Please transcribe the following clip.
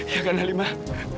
ya kan halimah